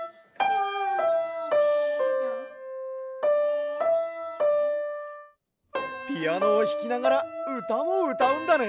ピアノをひきながらうたをうたうんだね！